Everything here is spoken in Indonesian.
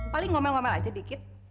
paling ngomel ngomel aja dikit